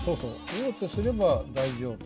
王手すれば大丈夫。